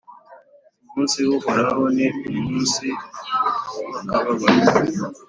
umunsi w’uhoraho ni umunsi w’akababaro